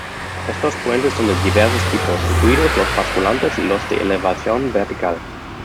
Estos puentes son de diversos tipos, incluidos los basculantes y los de elevación vertical.